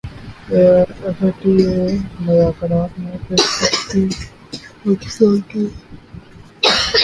F T A مذاکرات میں پیش رفت چین پاکستان کے خدشات دور کرنے پر رضامند